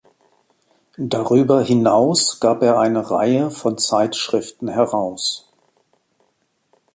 Darüber hinaus gab er eine Reihe von Zeitschriften heraus.